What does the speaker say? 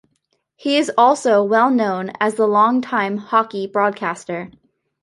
He is also well known as a long-time hockey broadcaster.